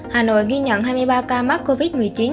hà nội ghi nhận hai mươi ba ca mắc covid một mươi chín